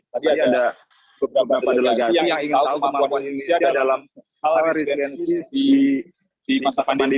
tapi ini ada beberapa delegasi yang ingin tahu kemampuan indonesia dalam hal presidensi di masa pandemi